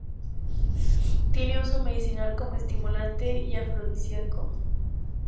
Tiene uso medicinal como estimulante y afrodisíaco.